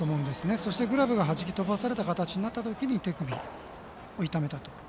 そして、グラブがはじき飛ばされた形になったとき手首を痛めたと。